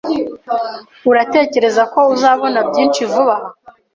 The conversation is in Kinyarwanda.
Uratekereza ko uzabona byinshi vuba aha?